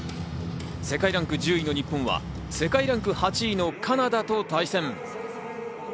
世界ランク１０位の日本は世界ランク８位のカナダと対戦。